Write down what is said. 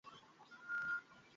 ফলে কুয়ার পানি শুকিয়ে যায়।